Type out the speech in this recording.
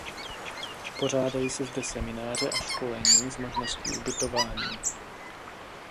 Pořádají se zde semináře a školení s možností ubytování.